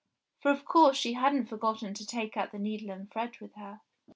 For of course she hadn't forgotten to take out the needle and thread with her.